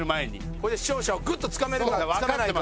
これで視聴者をグッとつかめるかつかめないか。